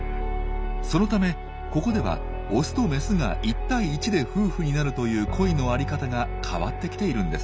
そのためここではオスとメスが１対１で夫婦になるという恋のあり方が変わってきているんです。